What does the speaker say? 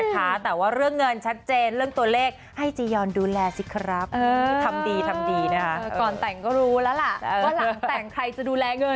ก็ยังไงก็ฝากธุรกิจของผมด้วยแล้วกันนะครับถ้าอยากรู้คำตอบ